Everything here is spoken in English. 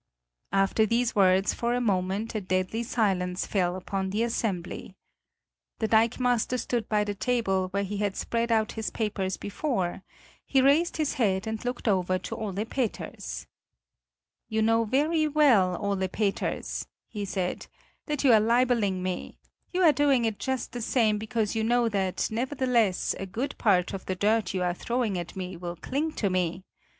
After these words for a moment a deadly silence fell upon the assembly. The dikemaster stood by the table where he had spread out his papers before; he raised his head and looked over to Ole Peters: "You know very well, Ole Peters," he said, "that you are libeling me; you are doing it just the same, because you know that, nevertheless, a good part of the dirt you are throwing at me will cling to me.